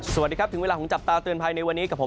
สวัสดีครับถึงเวลาของจับตาเตือนภัยในวันนี้กับผม